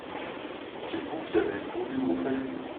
C'est vous qui avez voulu mon salut.